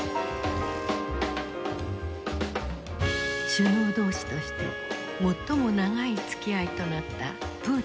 首脳同士として最も長いつきあいとなったプーチン大統領。